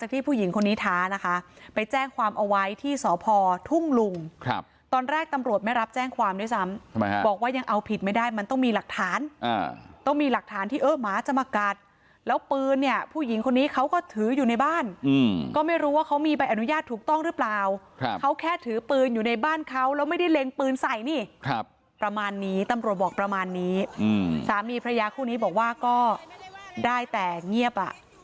ที่สพทุ่งลุงตอนแรกตำรวจไม่รับแจ้งความด้วยซ้ำบอกว่ายังเอาผิดไม่ได้มันต้องมีหลักฐานต้องมีหลักฐานที่เออหมาจะมากัดแล้วปืนเนี่ยผู้หญิงคนนี้เขาก็ถืออยู่ในบ้านก็ไม่รู้ว่าเขามีใบอนุญาตถูกต้องหรือเปล่าเขาแค่ถือปืนอยู่ในบ้านเขาแล้วไม่ได้เล็งปืนใส่นี่ประมาณนี้ตำรวจบอกประมาณนี้สามีพ